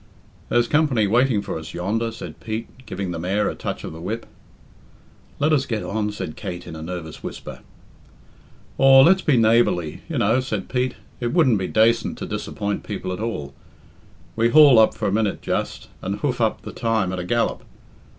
"There's company waiting for us yonder," said Pete, giving the mare a touch of the whip. "Let us get on," said Kate in a nervous whisper. "Aw, let's be neighbourly, you know," said Pete. "It wouldn't be dacent to disappoint people at all. We'll hawl up for a minute just, and hoof up the time at a gallop.